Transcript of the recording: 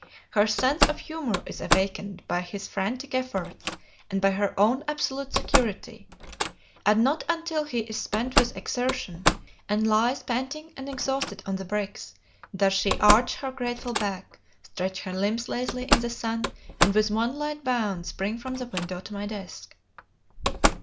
Her sense of humor is awakened by his frantic efforts and by her own absolute security; and not until he is spent with exertion, and lies panting and exhausted on the bricks, does she arch her graceful back, stretch her limbs lazily in the sun, and with one light bound spring from the window to my desk."